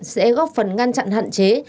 sẽ góp phần ngăn chặn hạn chế